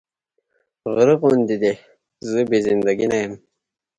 غره غوندې دې زه بې زنده ګي نه يم